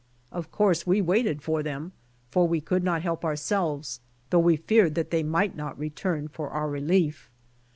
Of course we waited for them, for we could not help ourselves, though we feared that they might not return for our relief.